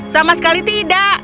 sama sekali tidak